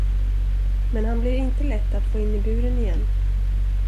Men han blir inte lätt att få in i buren igen.